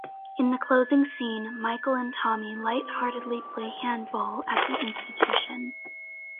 In the closing scene, Michael and Tommy light-heartedly play handball at the institution.